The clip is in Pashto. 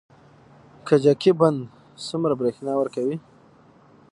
کجکي بند څومره بریښنا ورکوي؟